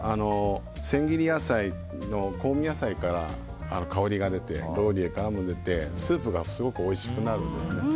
千切り野菜の香味野菜から香りが出て、ローリエからも出てスープがすごくおいしくなるんですね。